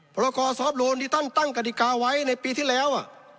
ปรากฏรวรอ่นนี่ท่านตั้งการติกาไว้ในปีที่แล้ว